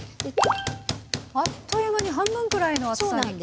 あっという間に半分くらいの厚さに。